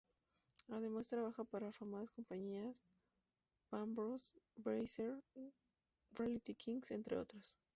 Además trabaja para afamadas compañías, Bangbros, Brazzers, Reality Kings, entre otras.